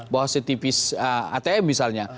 bahwa setipis atm misalnya